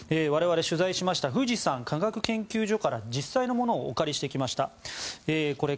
我々取材しました富士山科学研究所から実際のものをお借りしてきました。